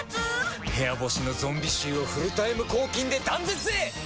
部屋干しのゾンビ臭をフルタイム抗菌で断絶へ！